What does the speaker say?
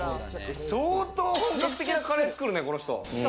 相当本格的なカレー作るね、この人。